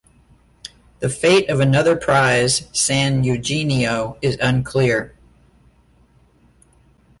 The fate of another prize, "San Eugenio", is unclear.